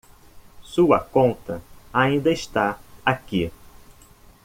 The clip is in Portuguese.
Sua conta ainda está aqui.